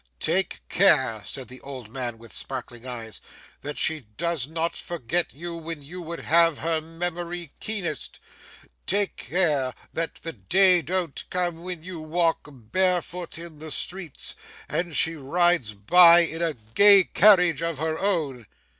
'Take care,' said the old man with sparkling eyes, 'that she does not forget you when you would have her memory keenest. Take care that the day don't come when you walk barefoot in the streets, and she rides by in a gay carriage of her own.